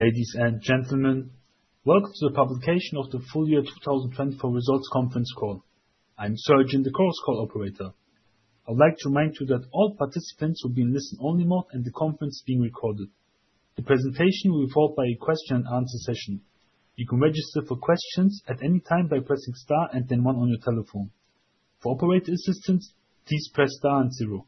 Ladies and gentlemen, welcome to the publication of the full year 2024 results conference call. I'm Sajan, the Chorus Call operator. I'd like to remind you that all participants will be in listen-only mode and the conference is being recorded. The presentation will be followed by a question-and-answer session. You can register for questions at any time by pressing star and then one on your telephone. For operator assistance, please press star and zero.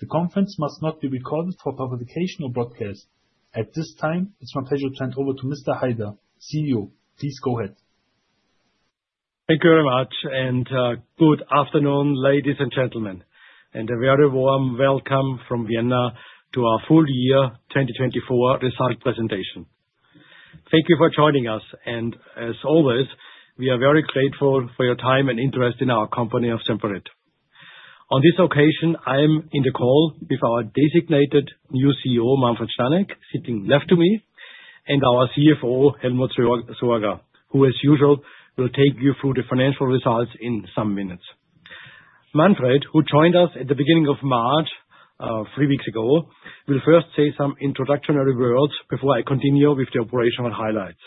The conference must not be recorded for publication or broadcast. At this time, it's my pleasure to hand over to Mr. Haider, CEO. Please go ahead. Thank you very much, and good afternoon, ladies and gentlemen. A very warm welcome from Vienna to our full year 2024 result presentation. Thank you for joining us, and as always, we are very grateful for your time and interest in our company of Semperit. On this occasion, I'm in the call with our designated new CEO, Manfred Stanek, sitting left to me, and our CFO, Helmut Sorger, who, as usual, will take you through the financial results in some minutes. Manfred, who joined us at the beginning of March, three weeks ago, will first say some introductory words before I continue with the operational highlights.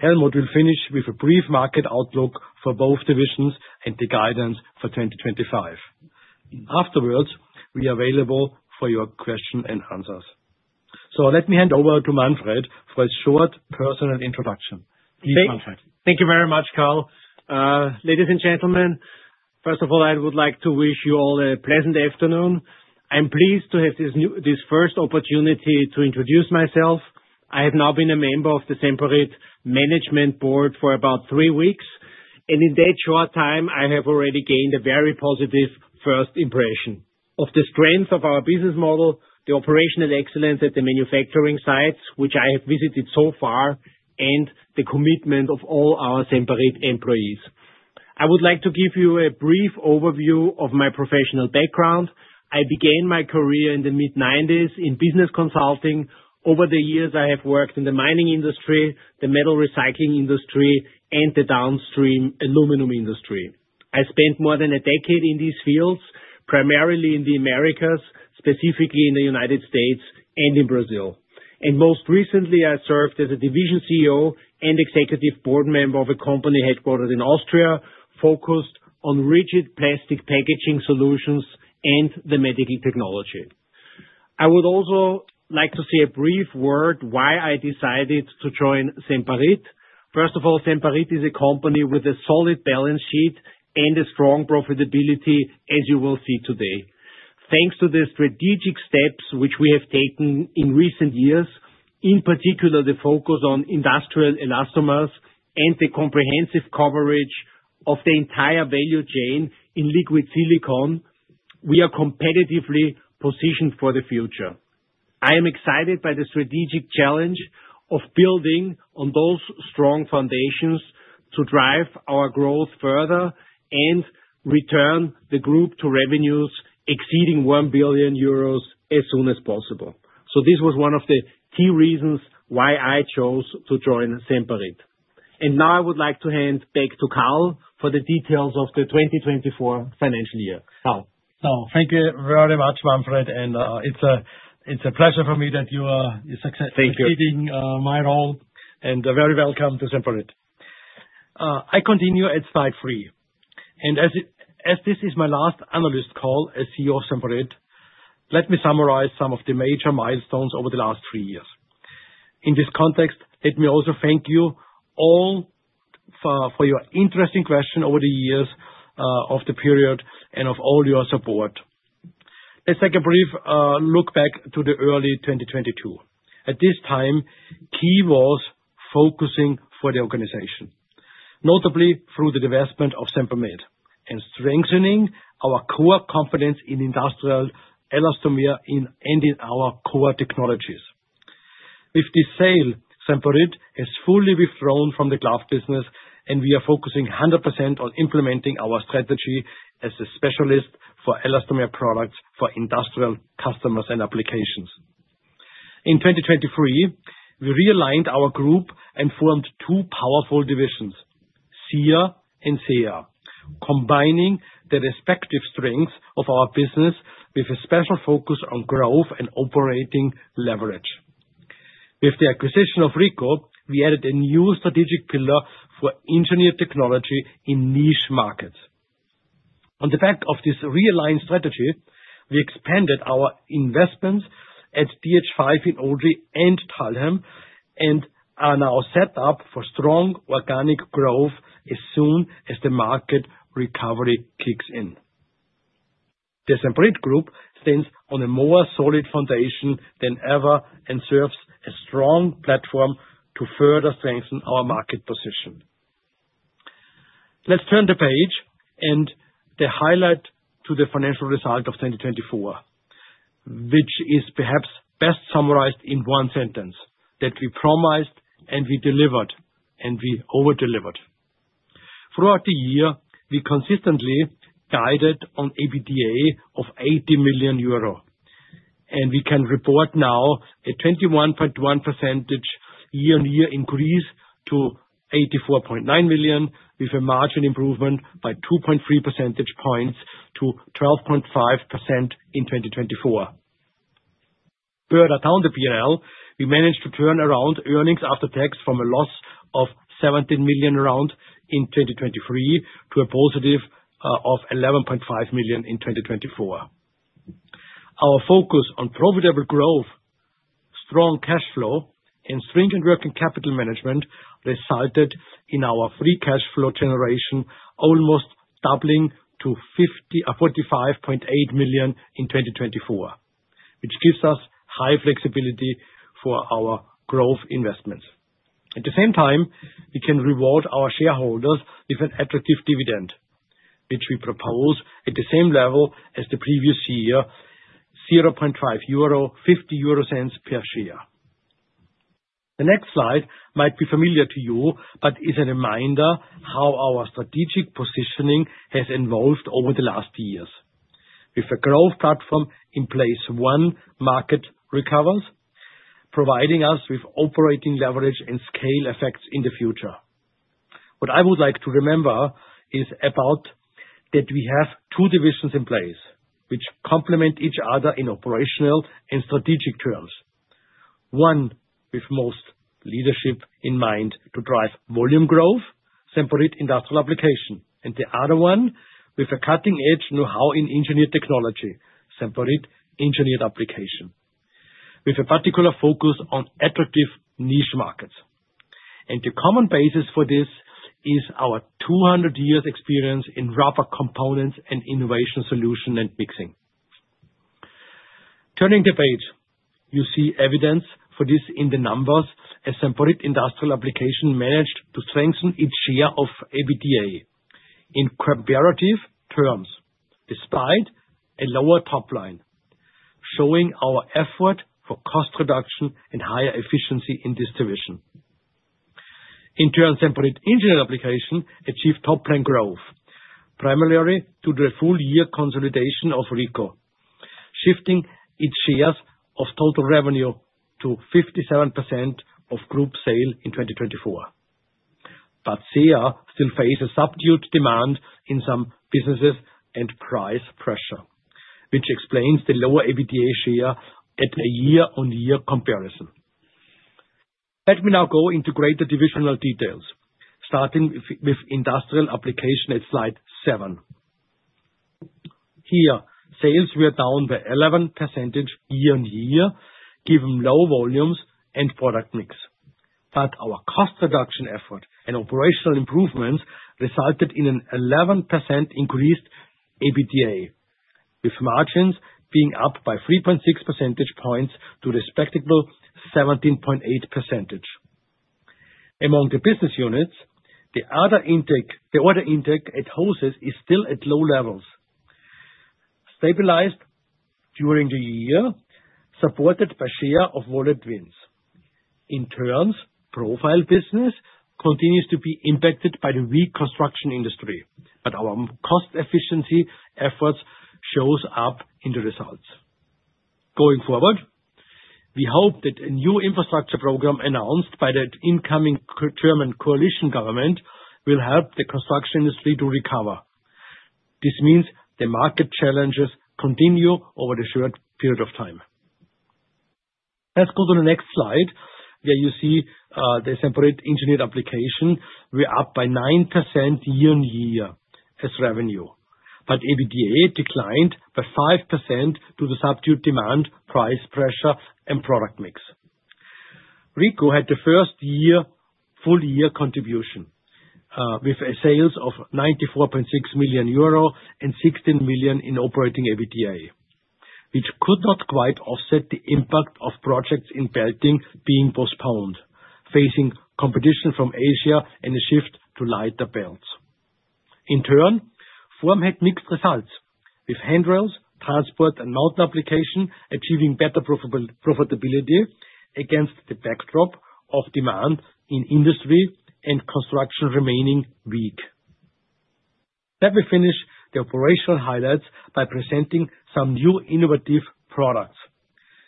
Helmut will finish with a brief market outlook for both divisions and the guidance for 2025. Afterwards, we are available for your questions and answers. Let me hand over to Manfred for a short personal introduction. Please, Manfred. Thank you very much, Karl. Ladies and gentlemen, first of all, I would like to wish you all a pleasant afternoon. I'm pleased to have this first opportunity to introduce myself. I have now been a member of the Semperit Management Board for about three weeks, and in that short time, I have already gained a very positive first impression of the strength of our business model, the operational excellence at the manufacturing sites, which I have visited so far, and the commitment of all our Semperit employees. I would like to give you a brief overview of my professional background. I began my career in the mid-1990s in business consulting. Over the years, I have worked in the mining industry, the metal recycling industry, and the downstream aluminum industry. I spent more than a decade in these fields, primarily in the Americas, specifically in the United States and in Brazil. Most recently, I served as a division CEO and executive board member of a company headquartered in Austria, focused on rigid plastic packaging solutions and the medical technology. I would also like to say a brief word why I decided to join Semperit. First of all, Semperit is a company with a solid balance sheet and a strong profitability, as you will see today. Thanks to the strategic steps which we have taken in recent years, in particular the focus on industrial elastomers and the comprehensive coverage of the entire value chain in liquid silicone, we are competitively positioned for the future. I am excited by the strategic challenge of building on those strong foundations to drive our growth further and return the group to revenues exceeding 1 billion euros as soon as possible. This was one of the key reasons why I chose to join Semperit. I would now like to hand back to Karl for the details of the 2024 financial year. Karl. Thank you very much, Manfred, and it is a pleasure for me that you are succeeding my role and very welcome to Semperit. I continue at slide three, and as this is my last analyst call as CEO of Semperit, let me summarize some of the major milestones over the last three years. In this context, let me also thank you all for your interesting questions over the years of the period and all your support. Let's take a brief look back to early 2022. At this time, key was focusing for the organization, notably through the development of Semperit and strengthening our core competence in industrial elastomer and in our core technologies. With this sale, Semperit has fully withdrawn from the glove business, and we are focusing 100% on implementing our strategy as a specialist for elastomer products for industrial customers and applications. In 2023, we realigned our group and formed two powerful divisions, SIA and SEA, combining the respective strengths of our business with a special focus on growth and operating leverage. With the acquisition of RICO, we added a new strategic pillar for engineered technology in niche markets. On the back of this realigned strategy, we expanded our investments at DH5 in Odry and Thalheim and are now set up for strong organic growth as soon as the market recovery kicks in. The Semperit group stands on a more solid foundation than ever and serves a strong platform to further strengthen our market position. Let's turn the page and the highlight to the financial result of 2024, which is perhaps best summarized in one sentence: that we promised and we delivered and we overdelivered. Throughout the year, we consistently guided on EBITDA of 80 million euro, and we can report now a 21.1% year-on-year increase to 84.9 million, with a margin improvement by 2.3 percentage points to 12.5% in 2024. Further down the pillar, we managed to turn around earnings after tax from a loss of 17 million in 2023 to a positive of 11.5 million in 2024. Our focus on profitable growth, strong cash flow, and stringent working capital management resulted in our free cash flow generation almost doubling to 45.8 million in 2024, which gives us high flexibility for our growth investments. At the same time, we can reward our shareholders with an attractive dividend, which we propose at the same level as the previous year, 0.50 per share. The next slide might be familiar to you, but is a reminder how our strategic positioning has evolved over the last years, with a growth platform in place when market recovers, providing us with operating leverage and scale effects in the future. What I would like to remember is that we have two divisions in place which complement each other in operational and strategic terms. One with most leadership in mind to drive volume growth, Semperit Industrial Applications, and the other one with a cutting-edge know-how in engineered technology, Semperit Engineered Applications, with a particular focus on attractive niche markets. The common basis for this is our 200 years' experience in rubber components and innovation solution and mixing. Turning the page, you see evidence for this in the numbers as Semperit Industrial Applications managed to strengthen its share of EBITDA in comparative terms despite a lower top line, showing our effort for cost reduction and higher efficiency in this division. In turn, Semperit Engineered Applications achieved top-line growth, primarily due to the full-year consolidation of RICO, shifting its shares of total revenue to 57% of group sale in 2024. SEA still faces subdued demand in some businesses and price pressure, which explains the lower EBITDA share at a year-on-year comparison. Let me now go into greater divisional details, starting with industrial application at slide seven. Here, sales were down by 11% year-on-year, given low volumes and product mix. Our cost reduction effort and operational improvements resulted in an 11% increased EBITDA, with margins being up by 3.6 percentage points to the spectacle 17.8%. Among the business units, the order intake at Hoses is still at low levels, stabilized during the year, supported by share-of-wallet wins. In turn, Profile business continues to be impacted by the reconstruction industry, but our cost efficiency efforts show up in the results. Going forward, we hope that a new infrastructure program announced by the incoming German coalition government will help the construction industry to recover. This means the market challenges continue over the short period of time. Let's go to the next slide, where you see the Semperit Engineered Applications were up by 9% year-on-year as revenue, but EBITDA declined by 5% due to subdued demand, price pressure, and product mix. RICO had the first full-year contribution with sales of 94.6 million euro and 16 million in operating EBITDA, which could not quite offset the impact of projects in Belting being postponed, facing competition from Asia and a shift to lighter belts. In turn, Form had mixed results, with handrails, transport, and mountain application achieving better profitability against the backdrop of demand in industry and construction remaining weak. Let me finish the operational highlights by presenting some new innovative products,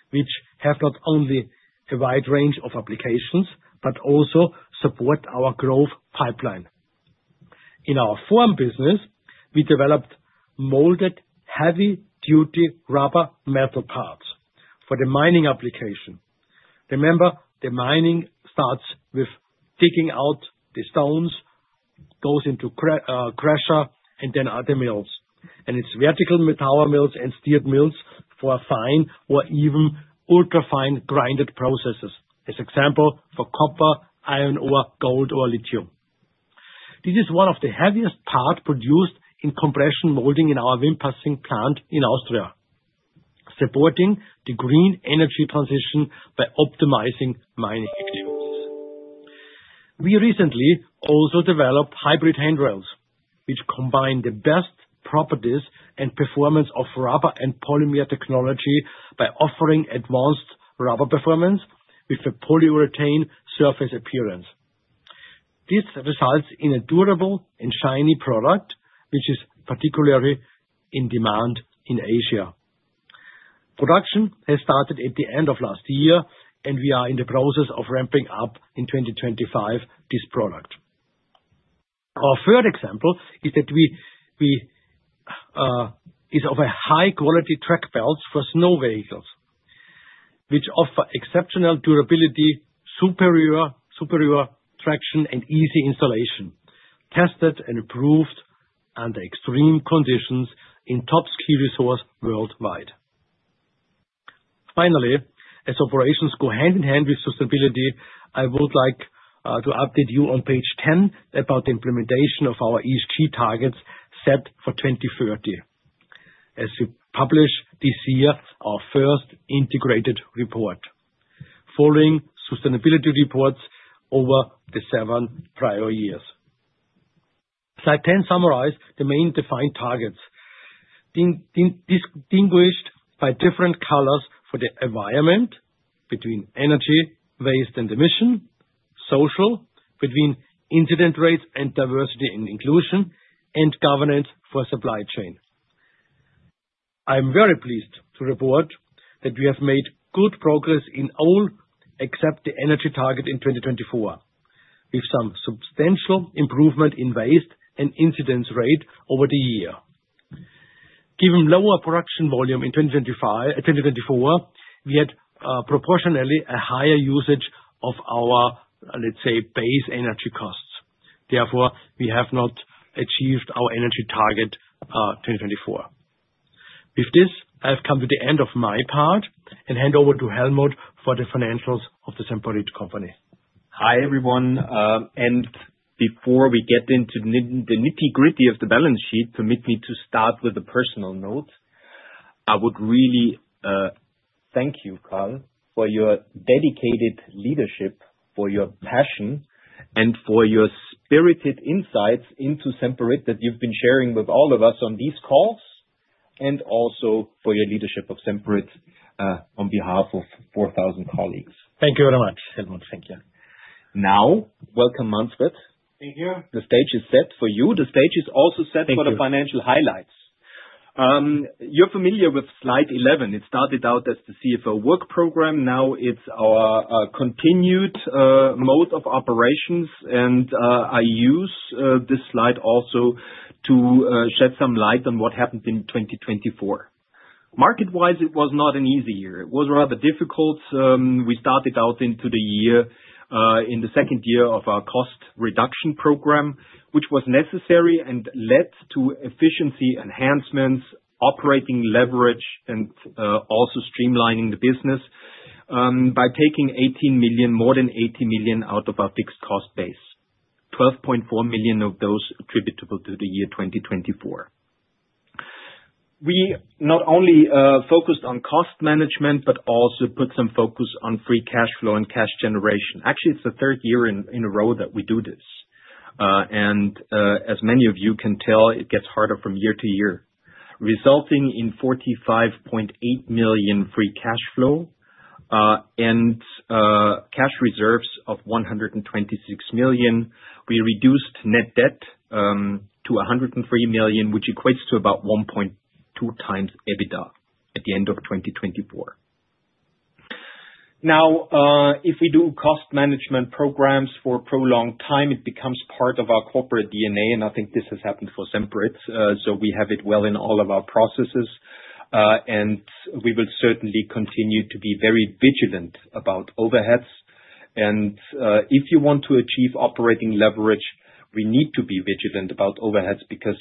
which have not only a wide range of applications but also support our growth pipeline. In our form business, we developed molded heavy-duty rubber metal parts for the mining application. Remember, the mining starts with digging out the stones, goes into crusher, and then other mills, and it is vertical tower mills and steel mills for fine or even ultra-fine grinded processes, as example for copper, iron, or gold, or lithium. This is one of the heaviest parts produced in compression molding in our Wimpassing plant in Austria, supporting the green energy transition by optimizing mining experiences. We recently also developed hybrid handrails, which combine the best properties and performance of rubber and polymer technology by offering advanced rubber performance with a polyurethane surface appearance. This results in a durable and shiny product, which is particularly in demand in Asia. Production has started at the end of last year, and we are in the process of ramping up in 2025 this product. Our third example is of high-quality track belts for snow vehicles, which offer exceptional durability, superior traction, and easy installation, tested and approved under extreme conditions in top ski resorts worldwide. Finally, as operations go hand in hand with sustainability, I would like to update you on page 10 about the implementation of our ESG targets set for 2030, as we publish this year our first integrated report, following sustainability reports over the seven prior years. Slide 10 summarizes the main defined targets, distinguished by different colors for the environment, between energy, waste, and emission, social, between incident rates and diversity and inclusion, and governance for supply chain. I am very pleased to report that we have made good progress in all except the energy target in 2024, with some substantial improvement in waste and incidence rate over the year. Given lower production volume in 2024, we had proportionally a higher usage of our, let's say, base energy costs. Therefore, we have not achieved our energy target 2024. With this, I have come to the end of my part and hand over to Helmut for the financials of the Semperit company. Hi everyone. Before we get into the nitty-gritty of the balance sheet, permit me to start with a personal note. I would really thank you, Karl, for your dedicated leadership, for your passion, and for your spirited insights into Semperit that you've been sharing with all of us on these calls, and also for your leadership of Semperit on behalf of 4,000 colleagues. Thank you very much, Helmut. Thank you. Now, welcome, Manfred. Thank you. The stage is set for you. The stage is also set for the financial highlights. Thank you. You're familiar with slide 11. It started out as the CFO work program. Now it's our continued mode of operations, and I use this slide also to shed some light on what happened in 2024. Market-wise, it was not an easy year. It was rather difficult. We started out into the year in the second year of our cost reduction program, which was necessary and led to efficiency enhancements, operating leverage, and also streamlining the business by taking more than 80 million out of our fixed cost base, 12.4 million of those attributable to the year 2024. We not only focused on cost management, but also put some focus on free cash flow and cash generation. Actually, it's the third year in a row that we do this. As many of you can tell, it gets harder from year to year, resulting in 45.8 million free cash flow and cash reserves of 126 million. We reduced net debt to 103 million, which equates to about 1.2 times EBITDA at the end of 2024. If we do cost management programs for a prolonged time, it becomes part of our corporate DNA, and I think this has happened for Semperit, so we have it well in all of our processes. We will certainly continue to be very vigilant about overheads. If you want to achieve operating leverage, we need to be vigilant about overheads because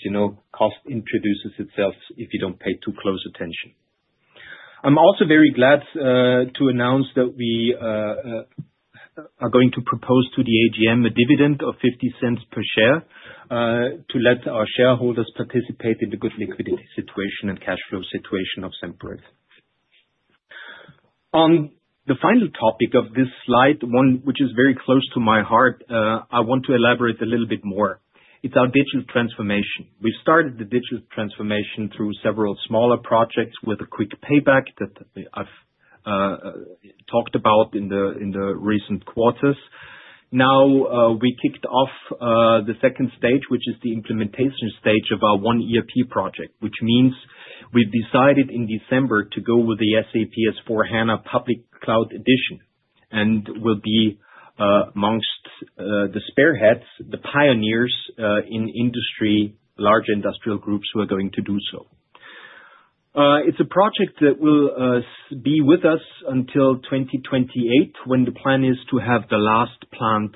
cost introduces itself if you do not pay too close attention. I'm also very glad to announce that we are going to propose to the AGM a dividend of 0.50 per share to let our shareholders participate in the good liquidity situation and cash flow situation of Semperit. On the final topic of this slide, one which is very close to my heart, I want to elaborate a little bit more. It's our digital transformation. We've started the digital transformation through several smaller projects with a quick payback that I've talked about in the recent quarters. Now, we kicked off the second stage, which is the implementation stage of our OneERP project, which means we've decided in December to go with the SAP S/4HANA public cloud edition and will be amongst the spearheads, the pioneers in industry, large industrial groups who are going to do so. It's a project that will be with us until 2028, when the plan is to have the last plant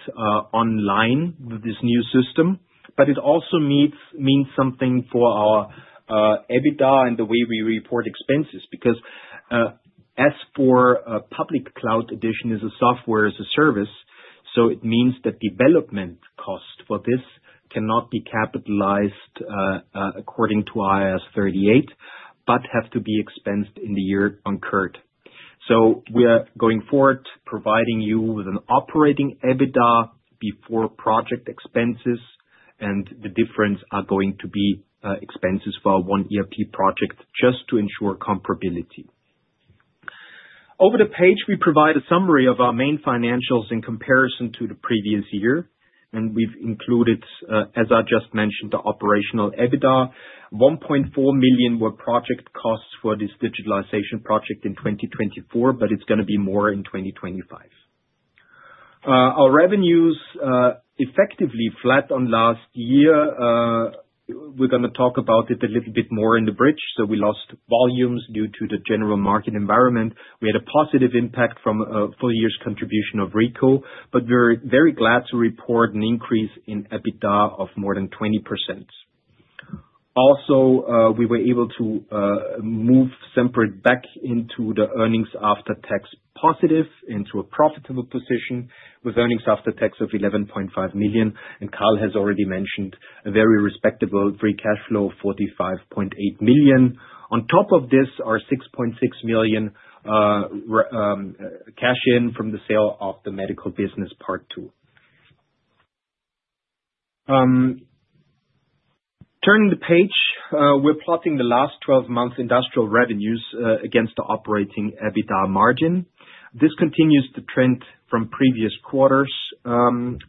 online with this new system. It also means something for our EBITDA and the way we report expenses because S/4 public cloud edition is a software as a service, so it means that development costs for this cannot be capitalized according to IAS 38, but have to be expensed in the year incurred. We are going forward providing you with an operating EBITDA before project expenses, and the difference is going to be expenses for a OneERP project just to ensure comparability. Over the page, we provide a summary of our main financials in comparison to the previous year. We have included, as I just mentioned, the operational EBITDA. 1.4 million were project costs for this digitalization project in 2024, but it is going to be more in 2025. Our revenues effectively flat on last year. We're going to talk about it a little bit more in the bridge. We lost volumes due to the general market environment. We had a positive impact from a full-year contribution of RICO, but we're very glad to report an increase in EBITDA of more than 20%. Also, we were able to move Semperit back into the earnings after tax positive into a profitable position with earnings after tax of 11.5 million. Karl has already mentioned a very respectable free cash flow of 45.8 million. On top of this, our 6.6 million cash in from the sale of the medical business part two. Turning the page, we're plotting the last 12 months' industrial revenues against the operating EBITDA margin. This continues the trend from previous quarters,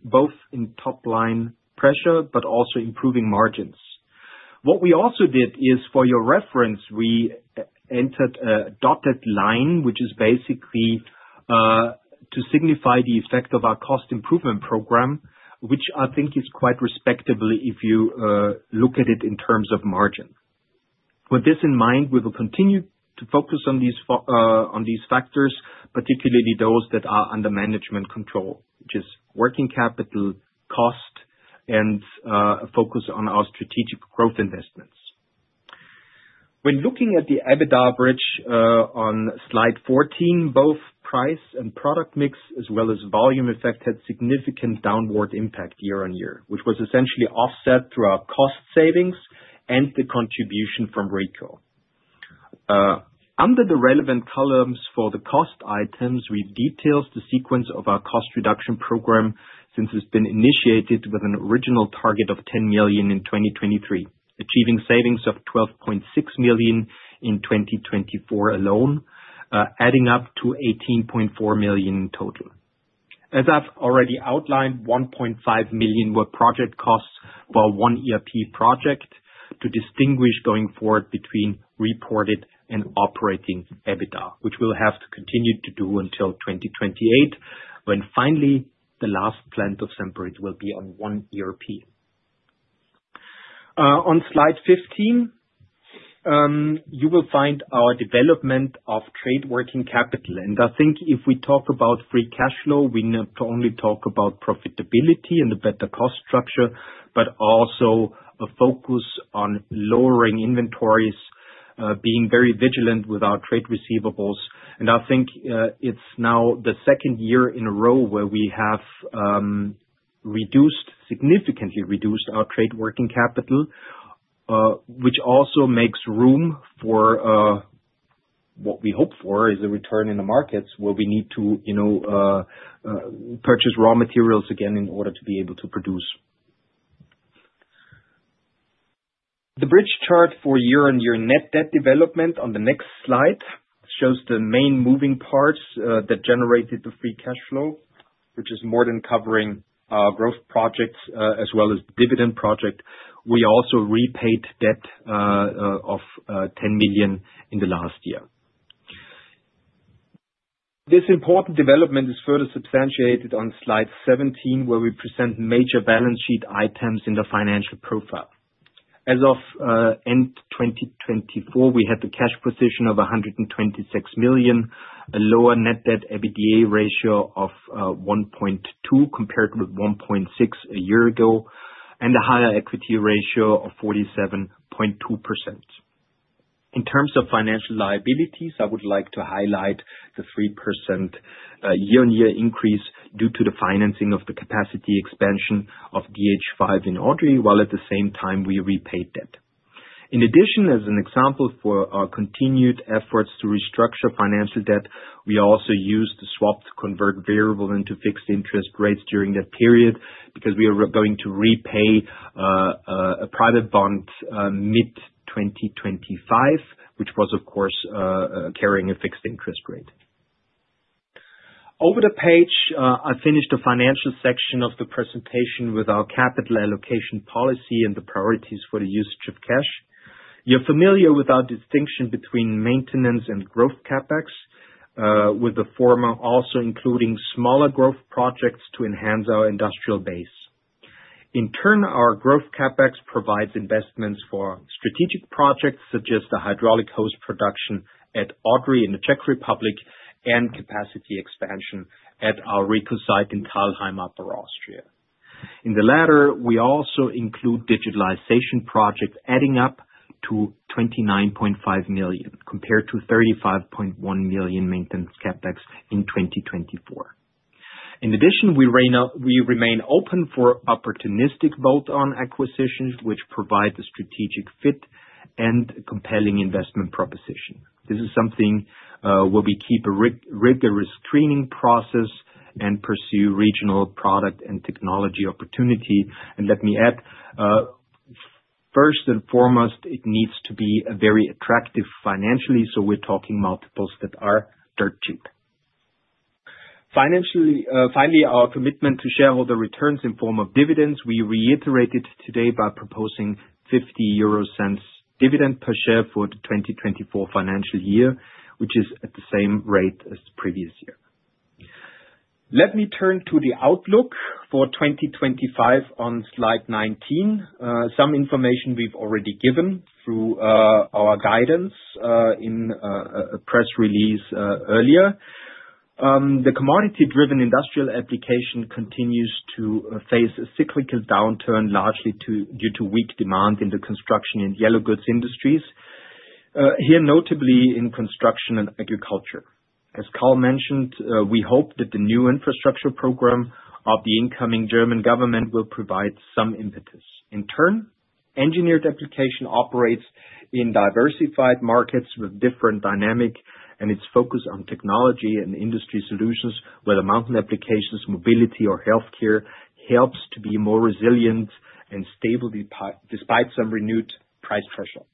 both in top-line pressure but also improving margins. What we also did is, for your reference, we entered a dotted line, which is basically to signify the effect of our cost improvement program, which I think is quite respectable if you look at it in terms of margin. With this in mind, we will continue to focus on these factors, particularly those that are under management control, which is working capital, cost, and a focus on our strategic growth investments. When looking at the EBITDA average on slide 14, both price and product mix, as well as volume effect, had significant downward impact year on year, which was essentially offset through our cost savings and the contribution from RICO. Under the relevant columns for the cost items, we've detailed the sequence of our cost reduction program since it's been initiated with an original target of 10 million in 2023, achieving savings of 12.6 million in 2024 alone, adding up to 18.4 million in total. As I've already outlined, 1.5 million were project costs for a OneERP project to distinguish going forward between reported and operating EBITDA, which we'll have to continue to do until 2028, when finally the last plant of Semperit will be on OneERP. On slide 15, you will find our development of trade working capital. I think if we talk about free cash flow, we need to only talk about profitability and a better cost structure, but also a focus on lowering inventories, being very vigilant with our trade receivables. I think it's now the second year in a row where we have significantly reduced our trade working capital, which also makes room for what we hope for is a return in the markets where we need to purchase raw materials again in order to be able to produce. The bridge chart for year-on-year net debt development on the next slide shows the main moving parts that generated the free cash flow, which is more than covering our growth projects as well as dividend project. We also repaid debt of 10 million in the last year. This important development is further substantiated on slide 17, where we present major balance sheet items in the financial Profile. As of end 2024, we had the cash position of 126 million, a lower net debt EBITDA ratio of 1.2 compared with 1.6 a year ago, and a higher equity ratio of 47.2%. In terms of financial liabilities, I would like to highlight the 3% year-on-year increase due to the financing of the capacity expansion of DH5 in Odry, while at the same time we repaid debt. In addition, as an example for our continued efforts to restructure financial debt, we also used the swap to convert variable into fixed interest rates during that period because we are going to repay a private bond mid-2025, which was, of course, carrying a fixed interest rate. Over the page, I finished the financial section of the presentation with our capital allocation policy and the priorities for the usage of cash. You're familiar with our distinction between maintenance and growth CapEx, with the former also including smaller growth projects to enhance our industrial base. In turn, our growth CapEx provides investments for strategic projects such as the hydraulic hose production at Odry in the Czech Republic and capacity expansion at our RICO site in Thalheim, Upper Austria. In the latter, we also include digitalization projects adding up to 29.5 million compared to 35.1 million maintenance CapEx in 2024. In addition, we remain open for opportunistic bolt-on acquisitions, which provide the strategic fit and compelling investment proposition. This is something where we keep a rigorous screening process and pursue regional product and technology opportunity. Let me add, first and foremost, it needs to be very attractive financially, so we're talking multiples that are dirt cheap. Finally, our commitment to shareholder returns in form of dividends, we reiterated today by proposing 0.50 dividend per share for the 2024 financial year, which is at the same rate as the previous year. Let me turn to the outlook for 2025 on slide 19. Some information we've already given through our guidance in a press release earlier. The commodity-driven industrial application continues to face a cyclical downturn largely due to weak demand in the construction and yellow goods industries, here notably in construction and agriculture. As Karl mentioned, we hope that the new infrastructure program of the incoming German government will provide some impetus. In turn, engineered application operates in diversified markets with different dynamics, and its focus on technology and industry solutions, whether mountain applications, mobility, or healthcare, helps to be more resilient and stable despite some renewed price threshold.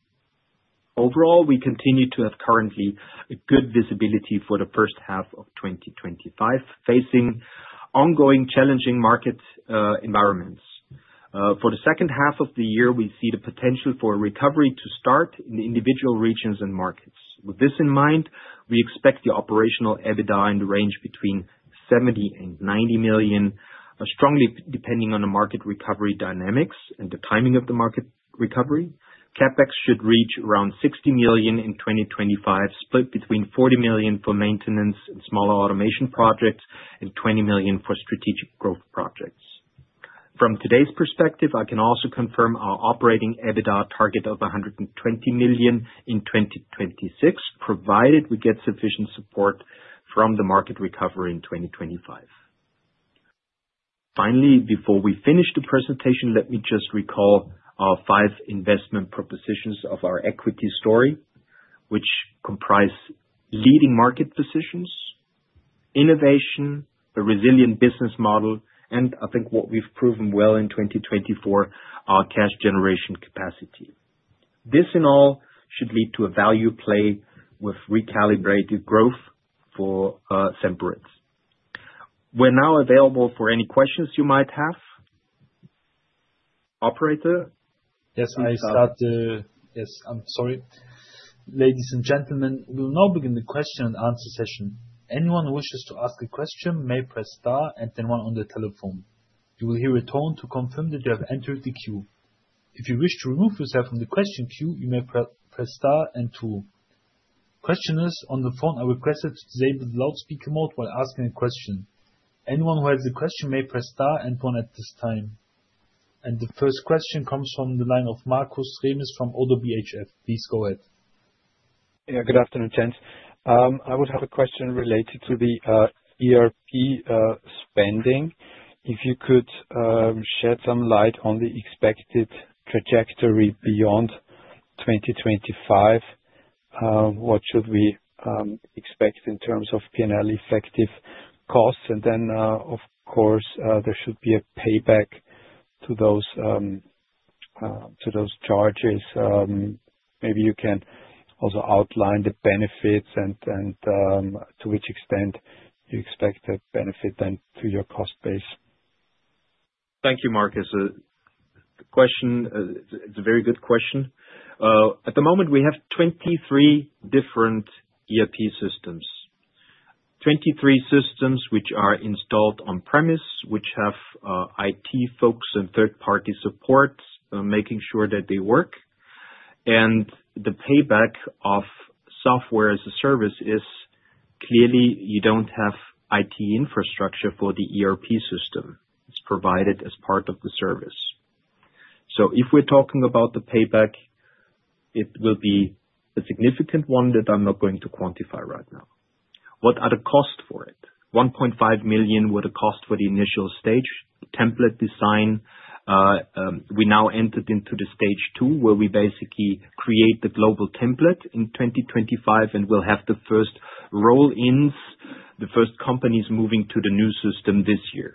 Overall, we continue to have currently a good visibility for the first half of 2025, facing ongoing challenging market environments. For the second half of the year, we see the potential for recovery to start in the individual regions and markets. With this in mind, we expect the operational EBITDA in the range between 70 million and 90 million, strongly depending on the market recovery dynamics and the timing of the market recovery. CapEx should reach around 60 million in 2025, split between 40 million for maintenance and smaller automation projects and 20 million for strategic growth projects. From today's perspective, I can also confirm our operating EBITDA target of 120 million in 2026, provided we get sufficient support from the market recovery in 2025. Finally, before we finish the presentation, let me just recall our five investment propositions of our equity story, which comprise leading market positions, innovation, a resilient business model, and I think what we've proven well in 2024, our cash generation capacity. This in all should lead to a value play with recalibrated growth for Semperit. We're now available for any questions you might have. Operator. Yes, we start. Yes, I'm sorry. Ladies and gentlemen, we will now begin the question-and-answer session. Anyone who wishes to ask a question may press star and then one on the telephone. You will hear a tone to confirm that you have entered the queue. If you wish to remove yourself from the question queue, you may press star and two. Questioners on the phone are requested to disable the loudspeaker mode while asking a question. Anyone who has a question may press star and one at this time. The first question comes from the line of Markus from Oddo BHF. Please go ahead. Yeah, good afternoon, gents. I would have a question related to the ERP spending. If you could shed some light on the expected trajectory beyond 2025, what should we expect in terms of P&L effective costs? Of course, there should be a payback to those charges. Maybe you can also outline the benefits and to which extent you expect the benefit then to your cost base. Thank you, Markus. The question, it's a very good question. At the moment, we have 23 different ERP systems, 23 systems which are installed on-premise, which have IT folks and third-party support making sure that they work. The payback of software as a service is clearly you don't have IT infrastructure for the ERP system. It's provided as part of the service. If we're talking about the payback, it will be a significant one that I'm not going to quantify right now. What are the costs for it? 1.5 million were the costs for the initial stage template design. We now entered into the stage two where we basically create the global template in 2025, and we'll have the first roll-ins, the first companies moving to the new system this year.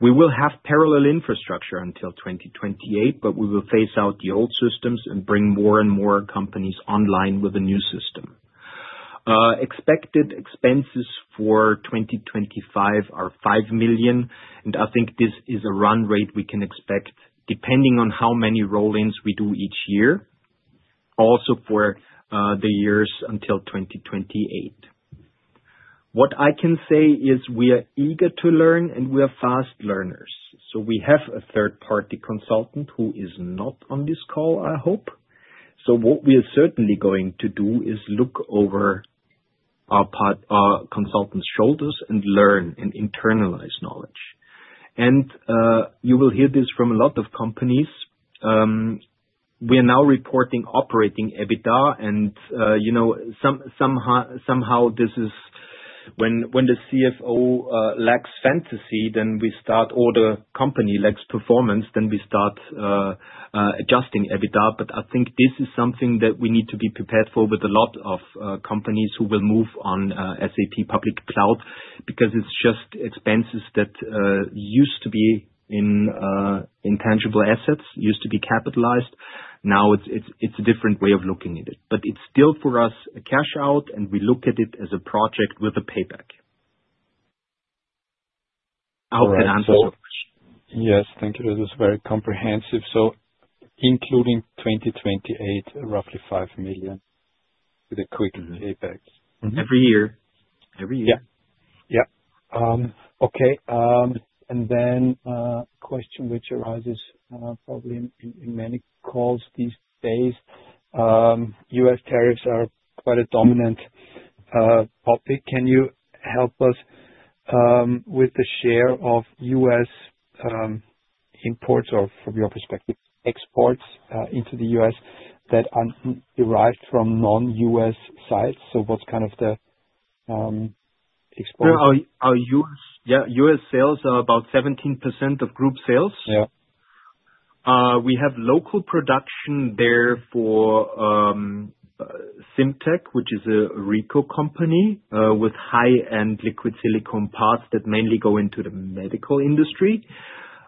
We will have parallel infrastructure until 2028, but we will phase out the old systems and bring more and more companies online with a new system. Expected expenses for 2025 are 5 million, and I think this is a run rate we can expect depending on how many roll-ins we do each year, also for the years until 2028. What I can say is we are eager to learn, and we are fast learners. We have a third-party consultant who is not on this call, I hope. What we are certainly going to do is look over our consultant's shoulders and learn and internalize knowledge. You will hear this from a lot of companies. We are now reporting operating EBITDA, and somehow this is when the CFO lacks fantasy, then we start, or the company lacks performance, then we start adjusting EBITDA. I think this is something that we need to be prepared for with a lot of companies who will move on SAP public cloud because it's just expenses that used to be in intangible assets, used to be capitalized. Now it's a different way of looking at it. But it's still for us a cash-out, and we look at it as a project with a payback. I hope that answers your question. Yes, thank you. This is very comprehensive. Including 2028, roughly 5 million with a quick payback. Every year. Every year. Yeah. Yeah. Okay. A question which arises probably in many calls these days. U.S. tariffs are quite a dominant topic. Can you help us with the share of U.S. imports or, from your perspective, exports into the U.S. that are derived from non-U.S. sites? What is kind of the export? Yeah. U.S. sales are about 17% of group sales. We have local production there for Simtec, which is a RICO company with high-end liquid silicone parts that mainly go into the medical industry.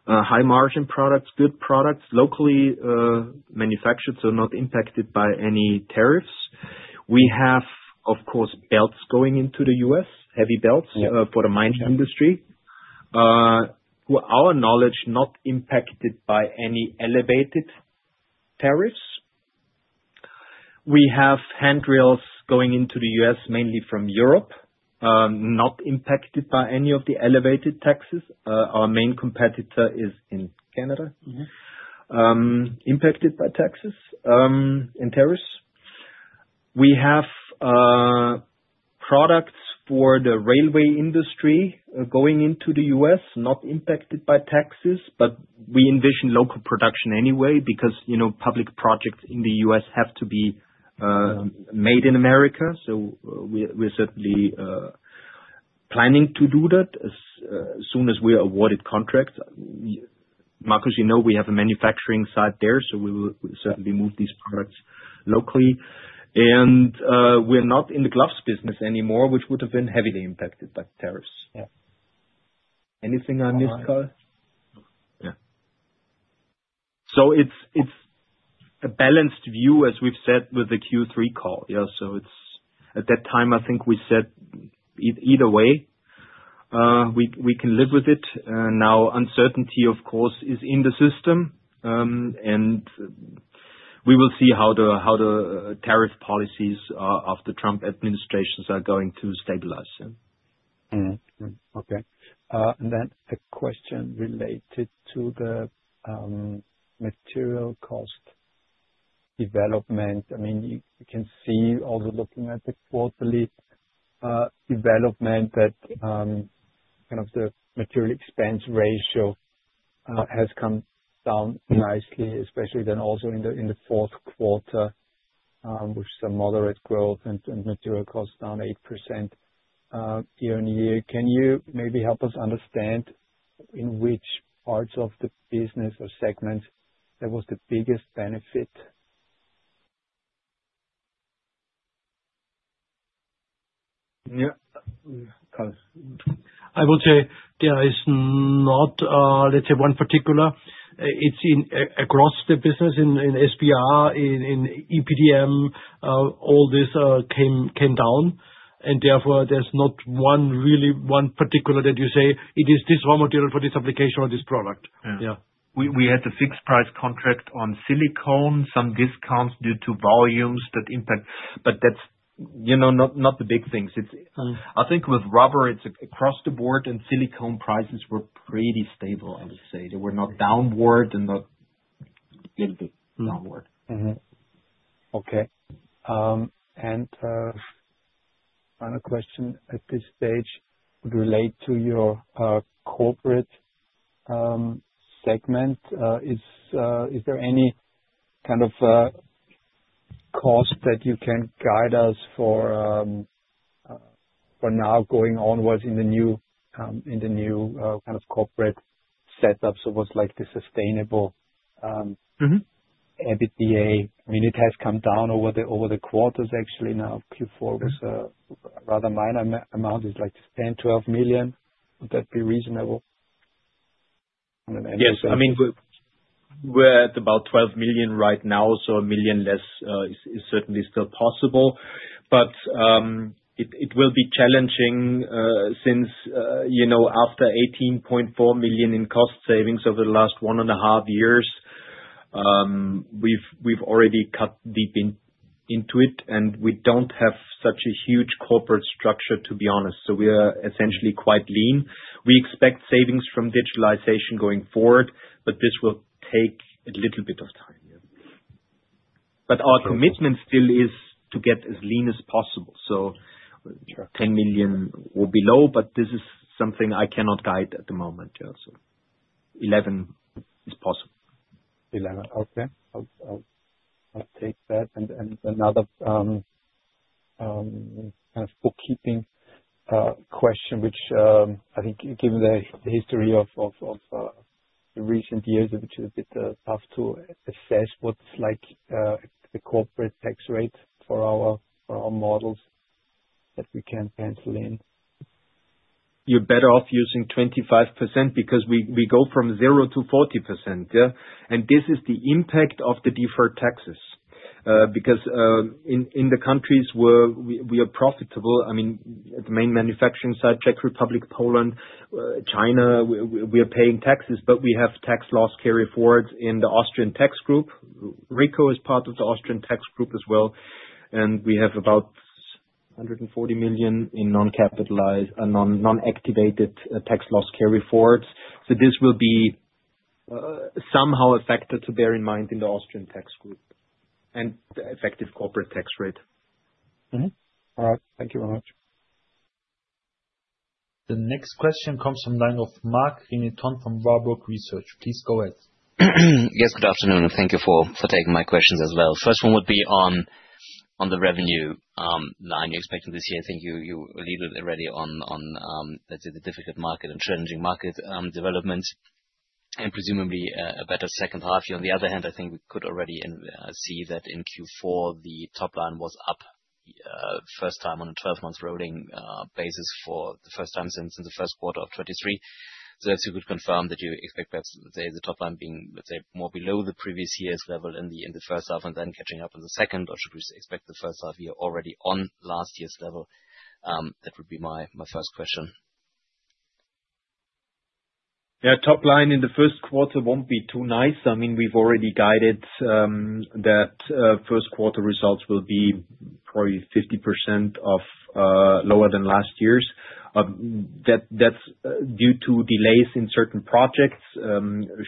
High-margin products, good products, locally manufactured, so not impacted by any tariffs. We have, of course, belts going into the U.S., heavy belts for the mining industry, to our knowledge, not impacted by any elevated tariffs. We have handrails going into the U.S. mainly from Europe, not impacted by any of the elevated taxes. Our main competitor is in Canada, impacted by taxes and tariffs. We have products for the railway industry going into the U.S., not impacted by taxes, but we envision local production anyway because public projects in the U.S. have to be made in America. We are certainly planning to do that as soon as we are awarded contracts. Markus, you know we have a manufacturing site there, so we will certainly move these products locally. And we're not in the gloves business anymore, which would have been heavily impacted by tariffs. Anything I missed, Karl? Yeah. It is a balanced view, as we have said with the Q3 call. At that time, I think we said either way, we can live with it. Now, uncertainty, of course, is in the system, and we will see how the tariff policies of the Trump administrations are going to stabilize. Okay. A question related to the material cost development. I mean, you can see also looking at the quarterly development that kind of the material expense ratio has come down nicely, especially then also in the fourth quarter, which is a moderate growth and material costs down 8% year on year. Can you maybe help us understand in which parts of the business or segments there was the biggest benefit? Yeah. I would say there is not, let's say, one particular. It is across the business in SBR, in EPDM, all this came down. Therefore, there is not really one particular that you say, "It is this raw material for this application or this product." Yeah. We had the fixed price contract on silicone, some discounts due to volumes that impact, but that is not the big things. I think with rubber, it is across the board, and silicone prices were pretty stable, I would say. They were not downward and not a little bit downward. Okay. Final question at this stage would relate to your corporate segment. Is there any kind of cost that you can guide us for now going onwards in the new kind of corporate setup? It was like the sustainable EBITDA. I mean, it has come down over the quarters, actually. Now, Q4 was a rather minor amount. It is like 10 million-12 million. Would that be reasonable? Yes. I mean, we're at about 12 million right now, so 1 million less is certainly still possible. It will be challenging since after 18.4 million in cost savings over the last one and a half years, we've already cut deep into it, and we don't have such a huge corporate structure, to be honest. We're essentially quite lean. We expect savings from digitalization going forward, but this will take a little bit of time. Our commitment still is to get as lean as possible. 10 million or below, but this is something I cannot guide at the moment. 11 million is possible. Okay. I'll take that. Another kind of bookkeeping question, which I think given the history of the recent years, which is a bit tough to assess, what's like the corporate tax rate for our models that we can pencil in. You're better off using 25% because we go from 0 to 40%. This is the impact of the deferred taxes because in the countries where we are profitable, I mean, the main manufacturing site, Czech Republic, Poland, China, we are paying taxes, but we have tax loss carry forwards in the Austrian tax group. RICO is part of the Austrian tax group as well. We have about 140 million in non-capitalized, non-activated tax loss carry forwards. This will be somehow affected, to bear in mind, in the Austrian tax group and the effective corporate tax rate. All right. Thank you very much. The next question comes from Daniel Mark Hamilton from Warburg Research. Please go ahead. Yes, good afternoon. Thank you for taking my questions as well. First one would be on the revenue line you're expecting this year. I think you alluded already on, let's say, the difficult market and challenging market developments and presumably a better second half year. On the other hand, I think we could already see that in Q4, the top line was up first time on a 12-month rolling basis for the first time since the first quarter of 2023. If you could confirm that you expect, let's say, the top line being, let's say, more below the previous year's level in the first half and then catching up in the second, or should we expect the first half year already on last year's level? That would be my first question. Yeah. Top line in the first quarter won't be too nice. I mean, we've already guided that first quarter results will be probably 50% lower than last year's. That's due to delays in certain projects,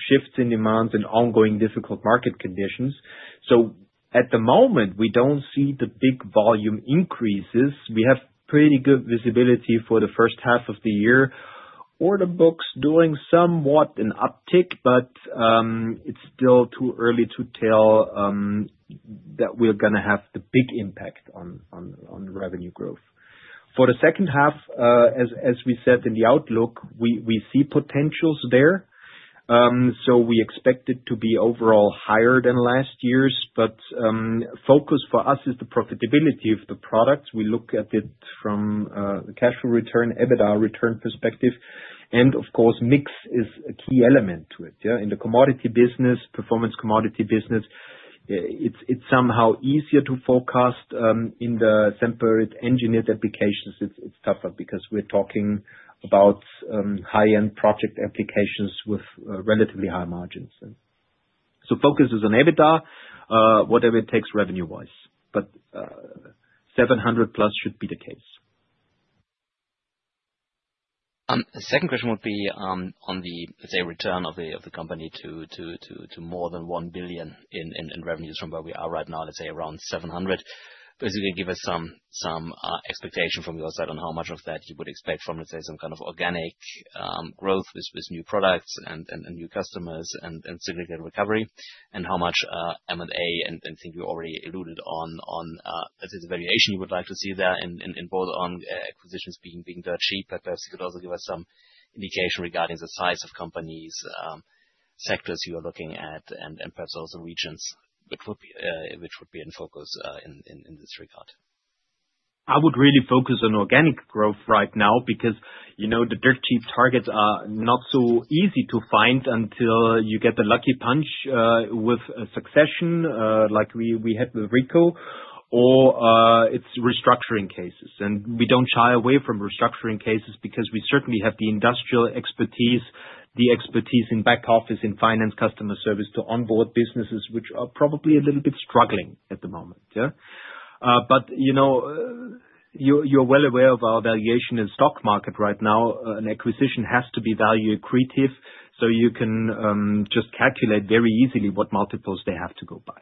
shifts in demands, and ongoing difficult market conditions. At the moment, we don't see the big volume increases. We have pretty good visibility for the first half of the year. Order book's doing somewhat an uptick, but it's still too early to tell that we're going to have the big impact on revenue growth. For the second half, as we said in the outlook, we see potentials there. We expect it to be overall higher than last year's. Focus for us is the profitability of the products. We look at it from the cash flow return, EBITDA return perspective. Of course, mix is a key element to it. In the commodity business, performance commodity business, it's somehow easier to forecast. In the tempered engineered applications, it's tougher because we're talking about high-end project applications with relatively high margins. Focus is on EBITDA, whatever it takes revenue-wise. 700+ should be the case. Second question would be on the, let's say, return of the company to more than 1 billion in revenues from where we are right now, let's say around 700 million. Basically, give us some expectation from your side on how much of that you would expect from, let's say, some kind of organic growth with new products and new customers and significant recovery, and how much M&A and things you already alluded on, I think the valuation you would like to see there in both on acquisitions being dirt cheap, but perhaps you could also give us some indication regarding the size of companies, sectors you are looking at, and perhaps also regions which would be in focus in this regard. I would really focus on organic growth right now because the dirt cheap targets are not so easy to find until you get the lucky punch with a succession like we had with RICO, or it is restructuring cases. We do not shy away from restructuring cases because we certainly have the industrial expertise, the expertise in back office, in finance, customer service to onboard businesses which are probably a little bit struggling at the moment. You are well aware of our valuation in the stock market right now. An acquisition has to be value accretive. You can just calculate very easily what multiples they have to go by.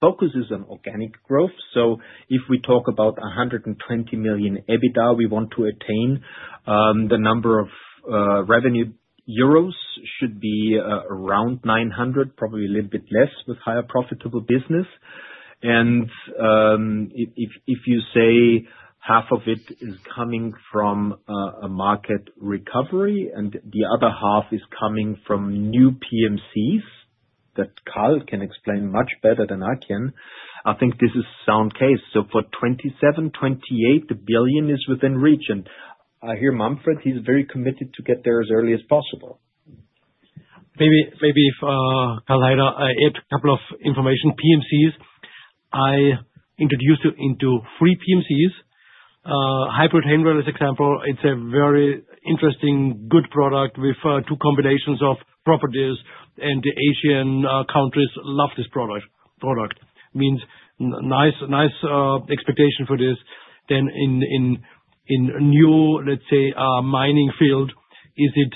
Focus is on organic growth. If we talk about 120 million EBITDA we want to attain, the number of revenue euros should be around 900 million, probably a little bit less with higher profitable business. If you say half of it is coming from a market recovery and the other half is coming from new PMCs that Karl can explain much better than I can, I think this is a sound case. For 2027-2028, the billion is within reach. I hear Manfred, he is very committed to get there as early as possible. Maybe if I add a couple of information. PMCs, I introduced into three PMCs. Hybrid handrail, as an example, it's a very interesting, good product with two combinations of properties, and the Asian countries love this product. Means nice expectation for this. Then in new, let's say, mining field, is it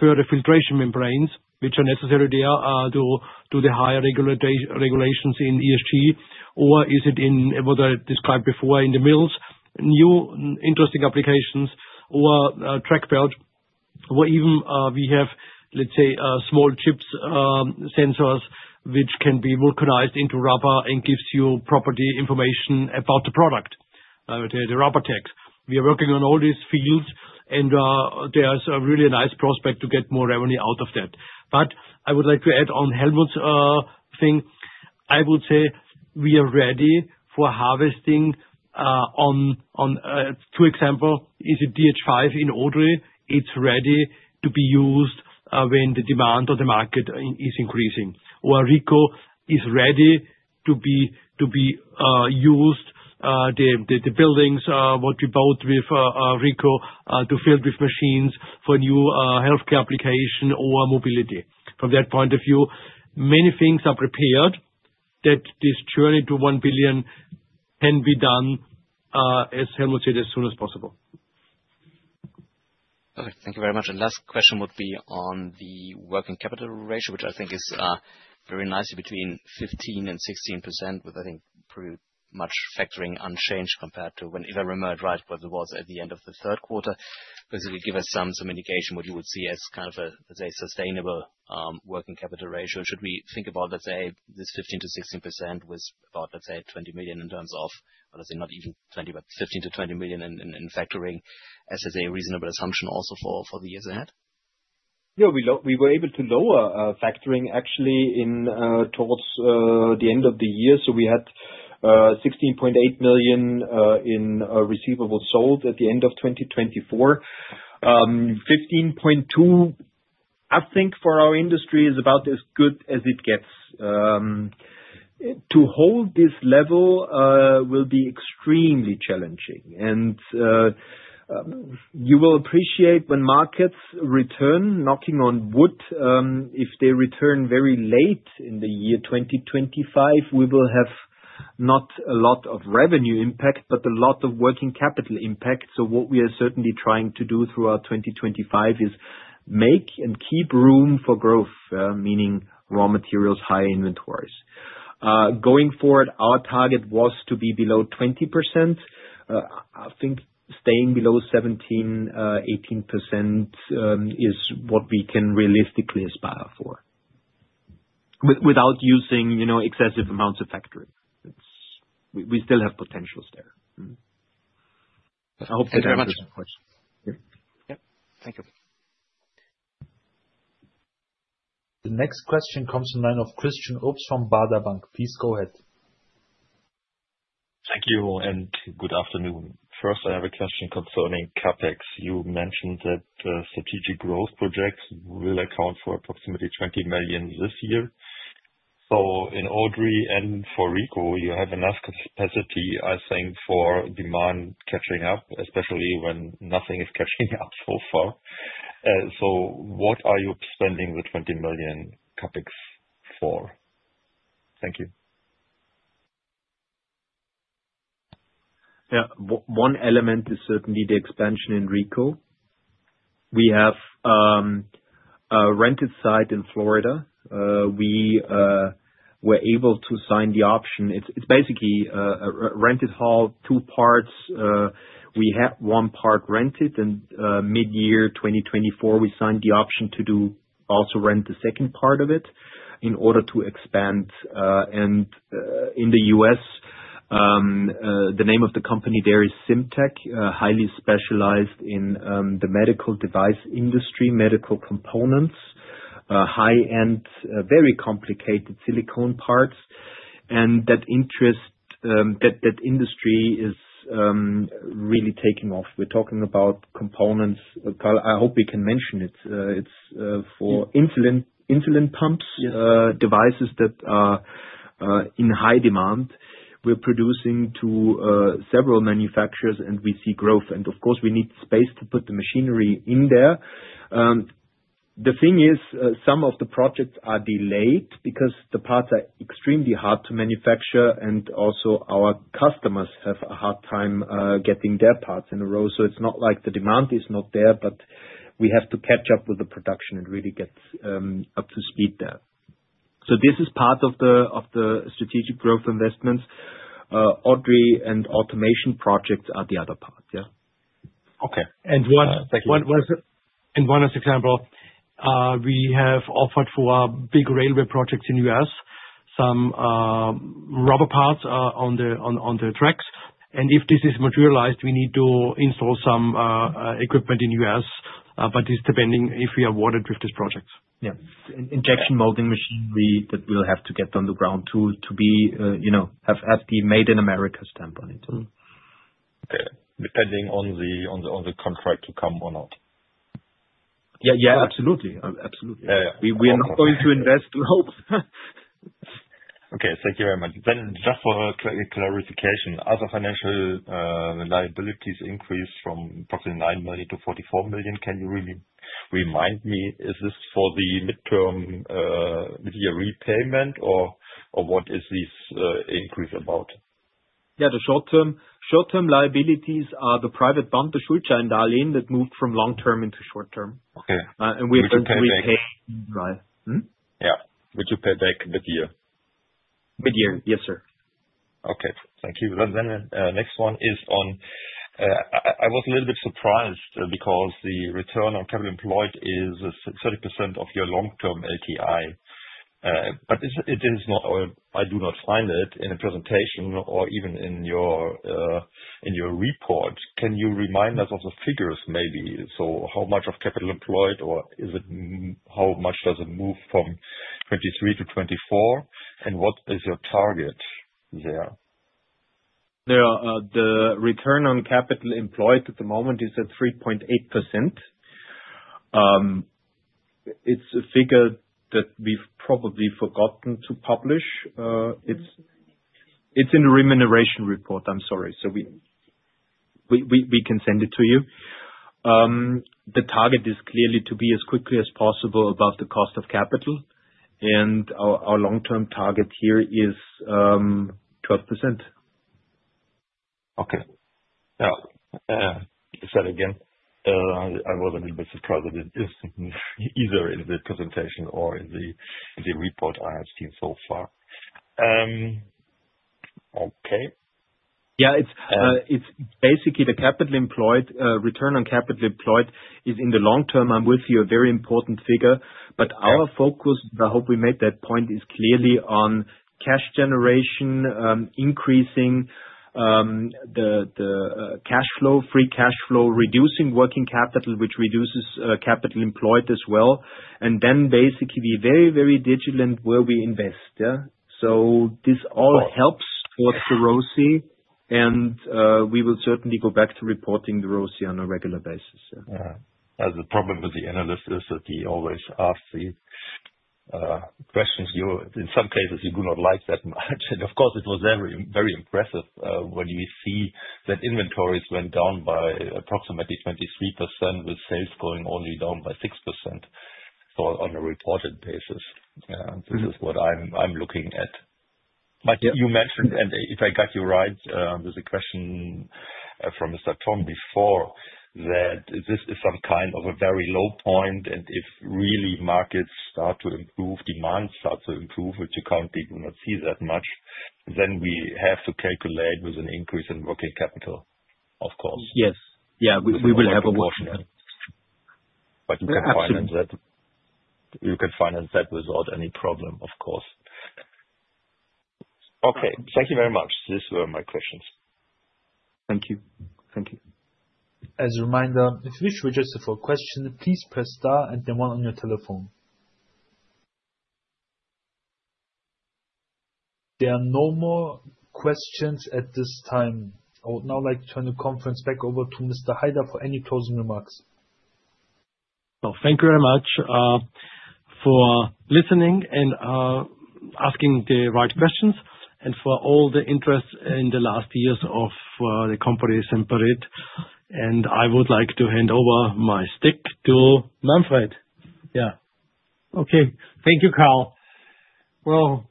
further filtration membranes, which are necessary there to do the higher regulations in ESG, or is it in what I described before in the mills, new interesting applications, or track belt, or even we have, let's say, small chips, sensors, which can be vulcanized into rubber and gives you property information about the product, the Rubber Tag. We are working on all these fields, and there's a really nice prospect to get more revenue out of that. I would like to add on Helmut's thing. I would say we are ready for harvesting on, for example, is it DH5 in Odry? It's ready to be used when the demand or the market is increasing. Or RICO is ready to be used, the buildings, what we bought with RICO, to fill with machines for new healthcare application or mobility. From that point of view, many things are prepared that this journey to 1 billion can be done, as Helmut said, as soon as possible. Okay. Thank you very much. Last question would be on the working capital ratio, which I think is very nicely between 15% and 16%, with, I think, pretty much factoring unchanged compared to when inventory metric, right, was at the end of the third quarter. Basically, give us some indication what you would see as kind of a, let's say, sustainable working capital ratio. Should we think about, let's say, this 15%-16% with about, let's say, 20 million in terms of, let's say, not even 20 million, but 15 million-20 million in factoring, as I say, a reasonable assumption also for the years ahead? Yeah. We were able to lower factoring, actually, towards the end of the year. We had 16.8 million in receivables sold at the end of 2024. Fifteen point two percent, I think, for our industry is about as good as it gets. To hold this level will be extremely challenging. You will appreciate when markets return, knocking on wood, if they return very late in the year 2025, we will have not a lot of revenue impact, but a lot of working capital impact. What we are certainly trying to do throughout 2025 is make and keep room for growth, meaning raw materials, high inventories. Going forward, our target was to be below 20%. I think staying below 17%-18% is what we can realistically aspire for without using excessive amounts of factoring. We still have potentials there. I hope that answers your question. Yep. Thank you. The next question comes in line of Christian Obst from Baader Bank. Please go ahead. Thank you and good afternoon. First, I have a question concerning CapEx. You mentioned that strategic growth projects will account for approximately 20 million this year. In Odry and for RICO, you have enough capacity, I think, for demand catching up, especially when nothing is catching up so far. What are you spending the 20 million CapEx for? Thank you. Yeah. One element is certainly the expansion in RICO. We have a rented site in Florida. We were able to sign the option. It is basically a rented hall, two parts. We have one part rented. Mid-year 2024, we signed the option to also rent the second part of it in order to expand. In the US, the name of the company there is Simtec, highly specialized in the medical device industry, medical components, high-end, very complicated silicone parts. That industry is really taking off. We are talking about components. I hope we can mention it. It is for insulin pumps, devices that are in high demand. We are producing to several manufacturers, and we see growth. Of course, we need space to put the machinery in there. The thing is, some of the projects are delayed because the parts are extremely hard to manufacture, and also our customers have a hard time getting their parts in a row. It is not like the demand is not there, but we have to catch up with the production and really get up to speed there. This is part of the strategic growth investments. Odry and automation projects are the other part. Yeah. Okay. One last example. We have offered for big railway projects in the U.S., some rubber parts on the tracks. If this is materialized, we need to install some equipment in the U.S., but it's depending if we are awarded with this project. Yeah. Injection molding machinery that we'll have to get on the ground to have the Made in America stamp on it. Okay. Depending on the contract to come or not. Yeah. Yeah. Absolutely. Absolutely. We are not going to invest to hope. Okay. Thank you very much. Just for clarification, as our financial liabilities increase from approximately 9 million to 44 million, can you really remind me, is this for the mid-term repayment, or what is this increase about? Yeah. The short-term liabilities are the private bond, the Schuldscheindarlehen that moved from long-term into short-term. And we have to repay. Yeah. Would you pay back mid-year? Mid-year. Yes, sir. Okay. Thank you. The next one is on I was a little bit surprised because the return on capital employed is 30% of your long-term LTI. I do not find it in a presentation or even in your report. Can you remind us of the figures maybe? How much of capital employed, or how much does it move from 2023 to 2024? What is your target there? The return on capital employed at the moment is at 3.8%. It's a figure that we've probably forgotten to publish. It's in the remuneration report. I'm sorry. We can send it to you. The target is clearly to be as quickly as possible above the cost of capital. Our long-term target here is 12%. Okay. Yeah. Say that again. I was a little bit surprised that it is either in the presentation or in the report I have seen so far. Okay. Yeah. It's basically the capital employed, return on capital employed is in the long-term, I'm with you, a very important figure. Our focus, I hope we made that point, is clearly on cash generation, increasing the cash flow, free cash flow, reducing working capital, which reduces capital employed as well. Basically be very, very vigilant where we invest. This all helps for the ROCE, and we will certainly go back to reporting the ROCE on a regular basis. Yeah. That's the problem with the analyst is that he always asks the questions. In some cases, you do not like that much. Of course, it was very impressive when you see that inventories went down by approximately 23% with sales going only down by 6% on a reported basis. This is what I'm looking at. You mentioned, and if I got you right, there's a question from Mr. Hamilton before that this is some kind of a very low point. If really markets start to improve, demand starts to improve, which you currently do not see that much, then we have to calculate with an increase in working capital, of course. Yes. Yeah. We will have a watch on that. You can finance that. You can finance that without any problem, of course. Okay. Thank you very much. These were my questions. Thank you. Thank you. As a reminder, if you wish to register for a question, please press star and the one on your telephone. There are no more questions at this time. I would now like to turn the conference back over to Mr. Haider for any closing remarks. Thank you very much for listening and asking the right questions, and for all the interest in the last years of the company, Semperit. I would like to hand over my stick to Manfred. Yeah. Thank you, Karl.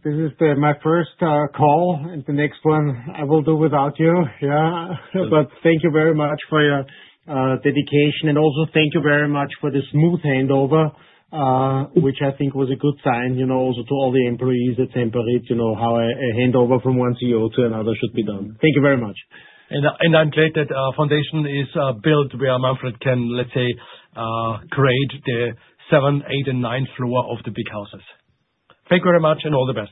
This is my first call, and the next one I will do without you. Yeah. Thank you very much for your dedication. Also, thank you very much for the smooth handover, which I think was a good sign also to all the employees at Semperit, how a handover from one CEO to another should be done. Thank you very much. I'm glad that our foundation is built where Manfred can, let's say, create the seventh, eighth, and ninth floor of the big houses. Thank you very much, and all the best.